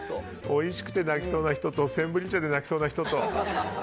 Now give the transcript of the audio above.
おいしくて泣きそうな人とセンブリ茶で泣きそうな人と。